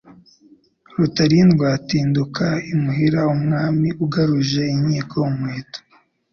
Rutarindwa atinduka imuhiraUmwami ugaruje inkiko umuheto